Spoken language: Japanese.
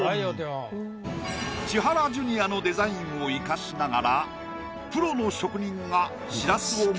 千原ジュニアのデザインを生かしながらプロの職人が。